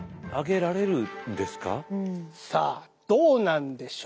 さあどうなんでしょう。